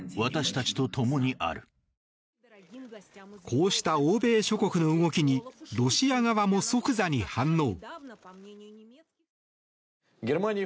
こうした欧米諸国の動きにロシア側も即座に反応。